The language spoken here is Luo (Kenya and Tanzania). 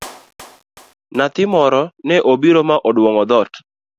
Nyathi moro ne obiro ma oduong'o dhoot.